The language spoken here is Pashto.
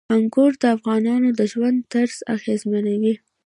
انګور د افغانانو د ژوند طرز اغېزمنوي.